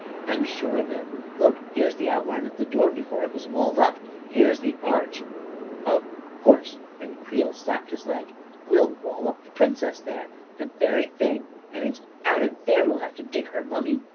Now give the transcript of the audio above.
44 I'm sure of it. Look, here is the outline of the door before it was walled up — here is the arch ..."" Of course !" and Creel slapped his leg. " We'll wall up the Princess there I The very thing ! And it's out of there we'll have to dig her mummy.